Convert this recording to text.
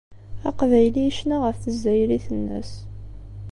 Aqbayli yecna ɣef tezzayrit-nnes.